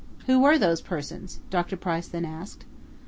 "Who were these persons?" Dr. Price then asked.